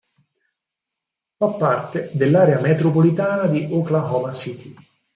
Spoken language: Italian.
Fa parte dell'area metropolitana di Oklahoma City.